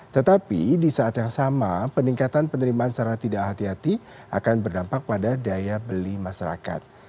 tetapi di saat yang sama peningkatan penerimaan secara tidak hati hati akan berdampak pada daya beli masyarakat